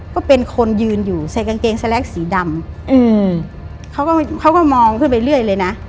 ก็เป็นคนยืนอยู่ใส่กางเกงสแล็กสีดำอืมเขาก็เขาก็มองขึ้นไปเรื่อยเลยนะ